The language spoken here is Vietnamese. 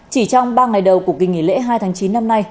chỉ trong ba ngày đầu của kỳ nghỉ lễ hai tháng chín năm nay